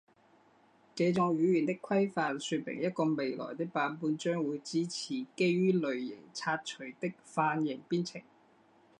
这种语言的规范说明一个未来的版本将会支持基于类型擦除的泛型编程。